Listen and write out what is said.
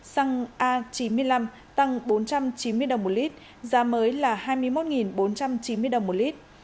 xăng a chín mươi năm tăng bốn trăm chín mươi đồng một lít giá mới là hai mươi một bốn trăm chín mươi đồng một lít